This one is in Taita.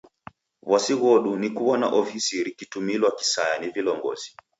W'asi ghodu ni kuw'ona ofisi rikitumilwa kisaya ni vilongozi.